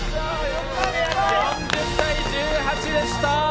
４０−１１でした。